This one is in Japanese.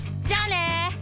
じゃあね！